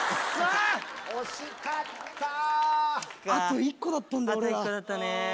あと１個だったね。